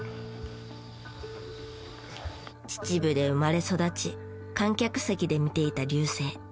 秩父で生まれ育ち観客席で見ていた龍勢。